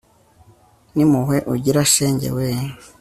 n'impuhwe ugira shenge we